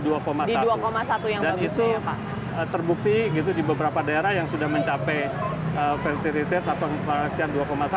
dan itu terbukti di beberapa daerah yang sudah mencapai ventilitas atau perhatian dua satu